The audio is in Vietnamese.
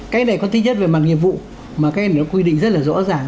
cái này có tính chất về mặt nghiệp vụ mà cái này nó quy định rất là rõ ràng